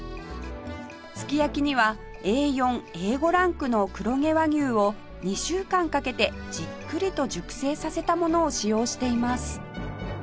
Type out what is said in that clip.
すき焼きには Ａ４Ａ５ ランクの黒毛和牛を２週間かけてじっくりと熟成させたものを使用しています